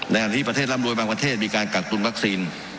ที่ประเทศร่ำรวยบางประเทศมีการกักตุนวัคซีน